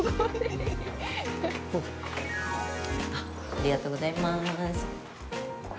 ありがとうございます。